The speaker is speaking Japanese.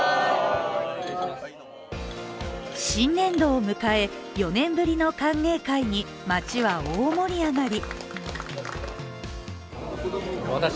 新年度を迎え、４年ぶりの歓迎会に街は大盛り上がり。